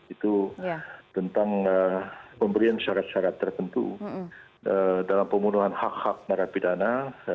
itu tentang pemberian syarat syarat tertentu dalam pembunuhan hak hak narapidana